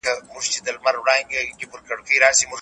مطالعه د شخصیت د جوړېدو معنویت دی.